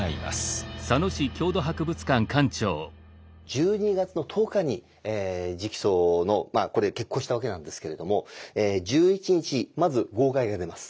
１２月の１０日に直訴のこれ決行したわけなんですけれども１１日まず号外が出ます。